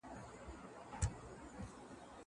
زه مخکي تکړښت کړی و!